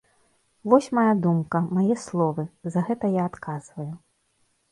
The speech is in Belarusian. Вось мая думка, мае словы, за гэта я адказваю.